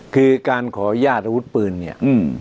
คือการขอยาดอาวุธปืนเนี่ย